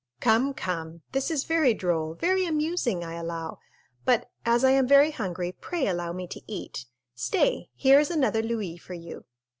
"Come, come, this is very droll—very amusing—I allow; but, as I am very hungry, pray allow me to eat. Stay, here is another louis for you."